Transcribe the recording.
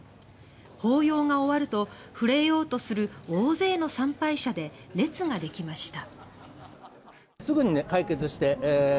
法要が終わると触れようとする大勢の参拝者で列が出来ました。